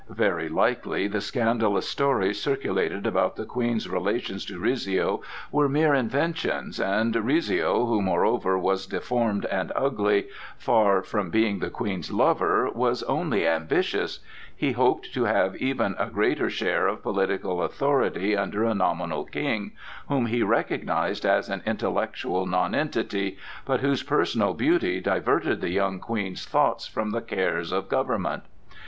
Very likely the scandalous stories circulated about the Queen's relations to Rizzio were mere inventions; and Rizzio, who moreover was deformed and ugly, far from being the Queen's lover, was only ambitious; he hoped to have even a greater share of political authority under a nominal king, whom he recognized as an intellectual nonentity, but whose personal beauty diverted the young Queen's thoughts from the cares of government.